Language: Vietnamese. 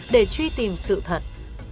để truy tìm sự thật